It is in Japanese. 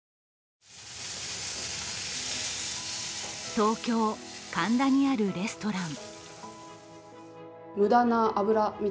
東京・神田にあるレストラン。